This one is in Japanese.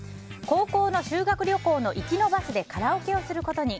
高校の修学旅行の行きのバスでカラオケをすることに。